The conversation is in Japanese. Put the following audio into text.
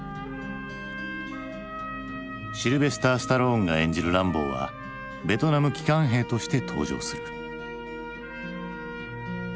シルベスター・スタローンが演じるランボーはベトナム帰還兵として登場する。